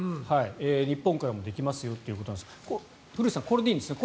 日本からもできますよということなんですが古内さん、これでいいんですね？